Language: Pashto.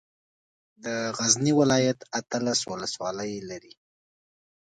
د غزني ولايت اتلس ولسوالۍ لري.